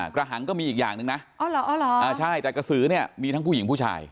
กระหังก็มีอีกอย่างหนึ่งนะใช่แต่กระสือเนี่ยมีทั้งผู้หญิงผู้ชาย